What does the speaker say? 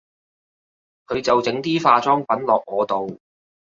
佢就整啲化妝品落我度